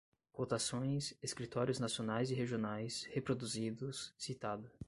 Cotações, escritórios nacionais e regionais, reproduzidos, citada